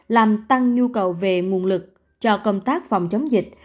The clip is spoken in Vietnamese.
làm tăng nhu cầu về nguồn lực cho công tác phòng chống dịch